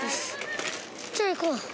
じゃあいこう。